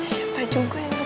siapa juga yang grogi